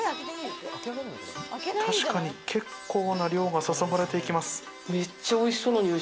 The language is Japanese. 確かに結構な量がそそがれていきます。